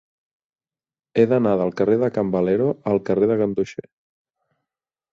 He d'anar del carrer de Can Valero al carrer de Ganduxer.